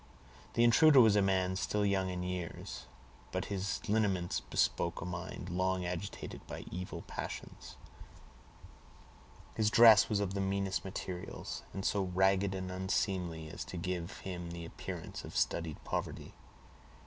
The intruder was a man still young in years, but his lineaments bespoke a mind long agitated by evil passions. His dress was of the meanest materials, and so ragged and unseemly, as to give him the appearance of studied poverty.